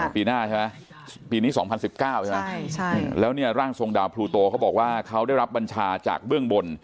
ปีหน้าใช่ไหมปีนี้๒๐๑๙ใช่ไหมแล้วเนี่ยร่างทรงดาวพลูโตเขาบอกว่าเขาได้รับบัญชาจากเบื้องบน